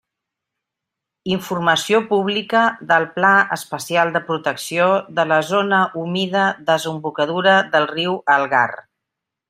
Informació publica del Pla Especial de Protecció de la Zona Humida Desembocadura del Riu Algar.